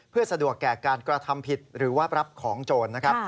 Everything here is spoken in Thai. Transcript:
เพื่อสะดวกแก่การกระทำผิดหรือว่ารับของโจรนะครับ